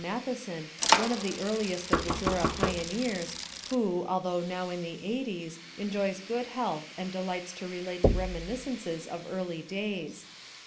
Matheson, one of the earliest of the Zorra pioneers, who, although now in the eighties, enjoys good health and delights to relate reminiscences of early days.